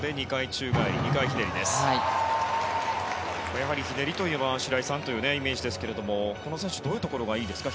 やはり、ひねりといえば白井さんというイメージですけれどもこの選手、どういうところがいいですか？